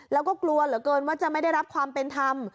แล้วก็กลัวเหลือเกินว่าจะไม่ได้รับความเป็นธรรม